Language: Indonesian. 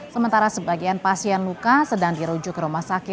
sementara sebagian pasien luka sedang dirujuk ke rumah sakit